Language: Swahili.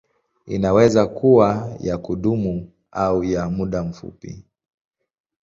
Inaweza kuwa ya kudumu au ya muda mfupi.